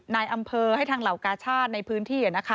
นายอำเภอให้ทางเหล่ากาชาติในพื้นที่